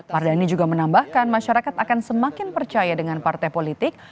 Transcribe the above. mardani juga menambahkan masyarakat akan semakin percaya dengan partai politik